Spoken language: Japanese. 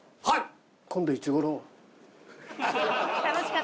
はい。